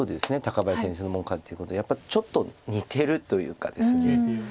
高林先生の門下ということでやっぱりちょっと似てるというかですね。